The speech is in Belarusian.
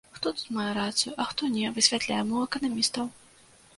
Хто тут мае рацыю, а хто не, высвятляем у эканамістаў.